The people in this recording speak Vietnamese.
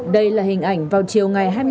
đây là hình ảnh vào chiều ngày hai mươi